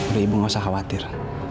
udah ibu gak usah khawatir